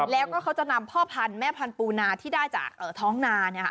แล้วก็เขาจะนำพ่อพันธุ์แม่พันธุนาที่ได้จากท้องนา